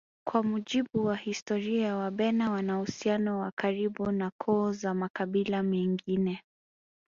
Kwa mujibu wa historia wabena wana uhusiano wa karibu na koo za makabila mengine